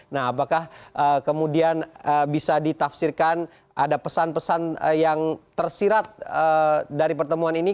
nah apakah kemudian bisa ditafsirkan ada pesan pesan yang tersirat dari pertemuan ini